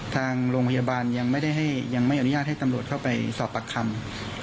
ทางโรงพยาบาลยังไม่ได้ยังไม่อนุญาตให้ตำรวจเข้าไปสอบปากคำ